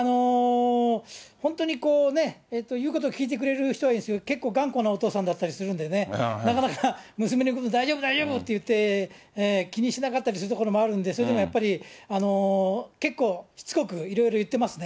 本当に言うことを聞いてくれる人はいいですけど、結構頑固なお父さんだったりするのでね、なかなか娘の言うこと、大丈夫、大丈夫って言って、気にしなかったりするところもあるんで、それでもやっぱり、結構しつこくいろいろ言ってますね。